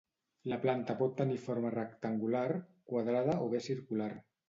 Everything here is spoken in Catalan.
La planta pot tenir forma rectangular, quadrada o bé circular.